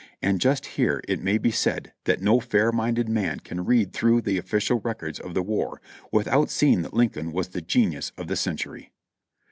And just here it may be said that no fair minded man can read through the ofiicial records of the war without seeing that Lin coln was the genius of the century.